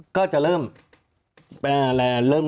ก็จะเริ่ม